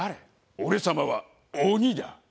俺様は鬼だ。